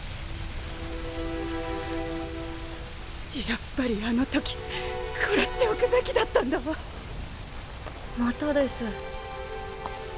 やっぱりあの時殺しておくべきだったまたです